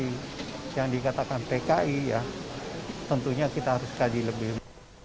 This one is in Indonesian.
jadi yang dikatakan pki ya tentunya kita harus kaji lebih